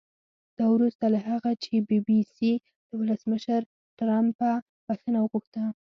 دا وروسته له هغه چې بي بي سي له ولسمشر ټرمپه بښنه وغوښته